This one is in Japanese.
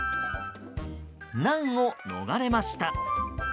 難を逃れました。